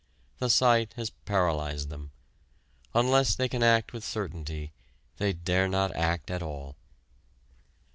The sight has paralyzed them. Unless they can act with certainty, they dare not act at all.